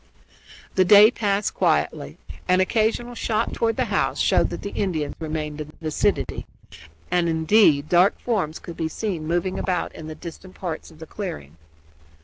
The day passed quietly. An occasional shot toward the house showed that the Indians remained in the vicinity and, indeed, dark forms could be seen moving about in the distant parts of the clearing.